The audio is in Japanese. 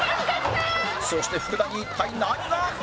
そして福田に一体何が！？